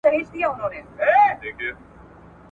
زندانونه به ماتيږي ..